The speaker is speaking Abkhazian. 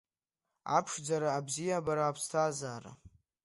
Аԥшӡара, абзиабара, аԥсҭазаара.